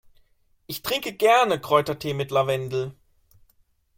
Ich trinke gerne Kräutertee mit Lavendel.